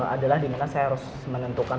adalah dimana saya harus menentukan